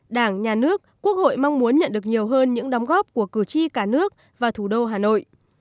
đảng nhà nước quốc hội mong muốn nhận được nhiều hơn những đóng góp của cử tri cả nước và thủ đô hà nội